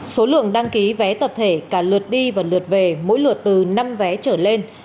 số lượng đăng ký vé tập thể cả lượt đi và lượt về mỗi lượt từ năm vé trở lên